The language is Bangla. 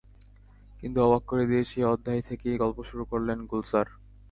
কিন্তু অবাক করে দিয়ে সেই অধ্যায় থেকেই গল্প শুরু করলেন গুলজার।